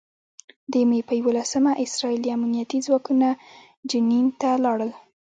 د مې په یوولسمه اسراييلي امنيتي ځواکونه جنین ته لاړل.